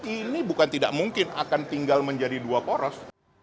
ini bukan tidak mungkin akan tinggal menjadi dua poros